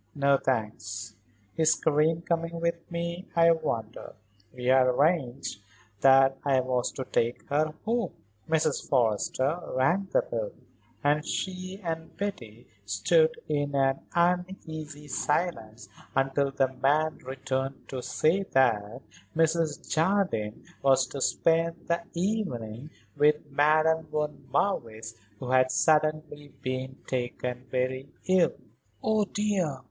"No, thanks. Is Karen coming with me, I wonder? We had arranged that I was to take her home." Mrs. Forrester rang the bell and she and Betty stood in an uneasy silence until the man returned to say that Mrs. Jardine was to spend the evening with Madame von Marwitz who had suddenly been taken very ill. "Oh, dear!